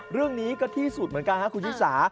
เรื่องนี้ก็ที่สุดเหมือนกันครับคุณชิสา